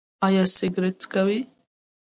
ایا سګرټ څکوئ؟